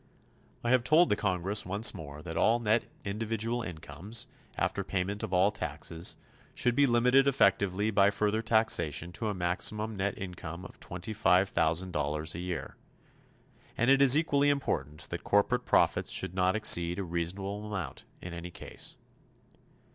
I have told the Congress once more that all net individual incomes, after payment of all taxes, should be limited effectively by further taxation to a maximum net income of $25,000 a year. And it is equally important that corporate profits should not exceed a reasonable amount in any case.